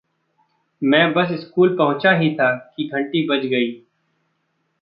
मैं बस स्कूल पहुँचा ही था कि घंटी बज गई।